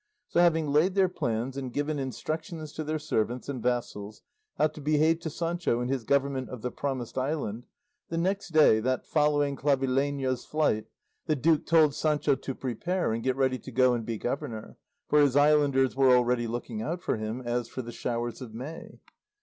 So having laid their plans and given instructions to their servants and vassals how to behave to Sancho in his government of the promised island, the next day, that following Clavileño's flight, the duke told Sancho to prepare and get ready to go and be governor, for his islanders were already looking out for him as for the showers of May.